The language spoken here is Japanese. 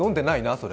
それ？